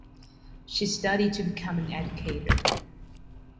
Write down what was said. She studied to become an educator.